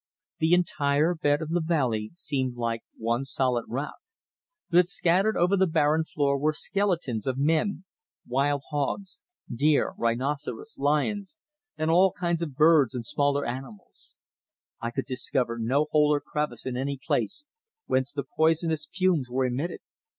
The entire bed of the valley seemed like one solid rock, but scattered over the barren floor were skeletons of men, wild hogs, deer, rhinoceros, lions, and all kinds of birds and smaller animals. I could discover no hole or crevice in any place whence the poisonous fumes were emitted.